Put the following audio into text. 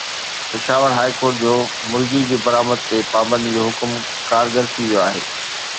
Peshawar high court جو مرغي جي برآمد تي پابندي جو حڪم ڪارگر ٿي ويو آهي